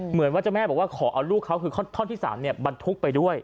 เหมือนว่าเจ้าแม่บอกว่าขอเอาลูกเขาคือท่อนที่๓บรรทุกไปด้วย